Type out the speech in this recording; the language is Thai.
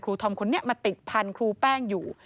ทอมคนนี้มาติดพันธุ์ครูแป้งอยู่